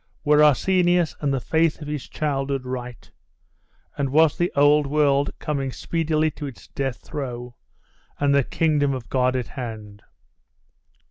Were Arsenius and the faith of his childhood right? And was the Old World coming speedily to its death throe, and the Kingdom of God at hand?